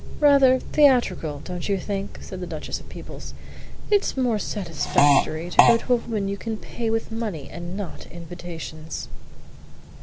"Rather theatrical, don't you think?" said the Duchess of Peebles. "It's more satisfactory to go to a woman you can pay with money and not invitations."